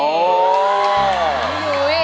น้องหุ้ย